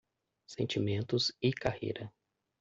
Sentimentos e carreira